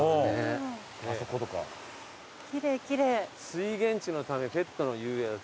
「水源地のためペットの遊泳は」